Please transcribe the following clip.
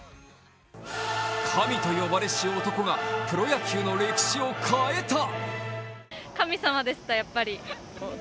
神と呼ばれし男がプロ野球の歴史を変えた。